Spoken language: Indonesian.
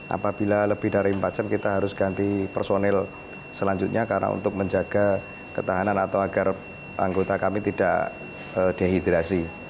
apabila lebih dari empat jam kita harus ganti personil selanjutnya karena untuk menjaga ketahanan atau agar anggota kami tidak dehidrasi